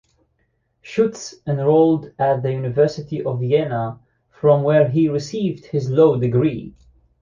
Schutz enrolled at the University of Vienna from where he received his law degree.